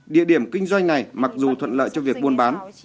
địa điểm kinh doanh này mặc dù thuận lợi cho việc buôn bán